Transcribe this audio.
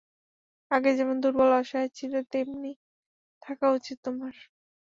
আগে যেমন দুর্বল অসহায় ছিলে তেমনি থাকা উচিত তোমার।